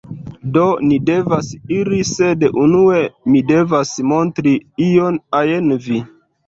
Do, ni devas iri sed unue mi devas montri ion ajn vi